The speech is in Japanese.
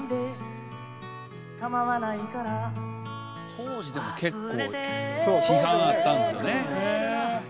当時でも結構批判あったんですよね。